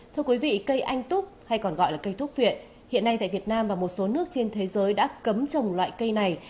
thưa quý vị cây anh túc hay còn gọi là cây thuốc viện hiện nay tại việt nam và một số nước trên thế giới đã cấm trồng loại cây này